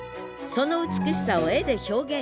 その美しさを「絵」で表現したい！